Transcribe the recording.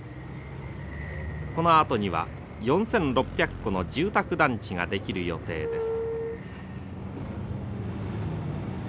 このあとには４，６００戸の住宅団地が出来る予定です。